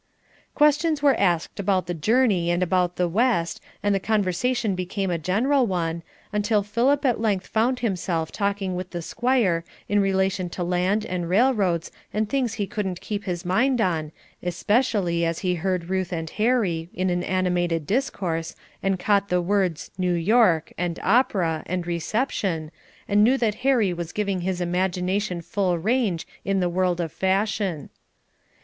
Questions were asked about the journey and about the West, and the conversation became a general one, until Philip at length found himself talking with the Squire in relation to land and railroads and things he couldn't keep his mind on especially as he heard Ruth and Harry in an animated discourse, and caught the words "New York," and "opera," and "reception," and knew that Harry was giving his imagination full range in the world of fashion.